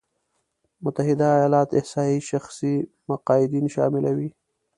متحده ایالات احصایې شخصي مقاعدين شاملوي.